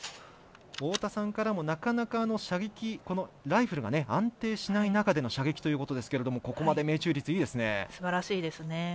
太田さんからも、なかなかこのライフルが安定しない中での射撃というところですけどもここまで命中率、いいですね。